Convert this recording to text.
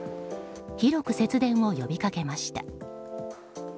広く節電を呼びかけました。